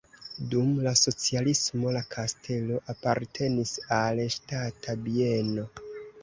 Dum la socialismo la kastelo apartenis al ŝtata bieno.